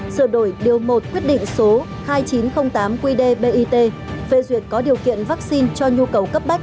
sửa đổi điều một quyết định số hai nghìn chín trăm linh tám qd bit phê duyệt có điều kiện vaccine cho nhu cầu cấp bách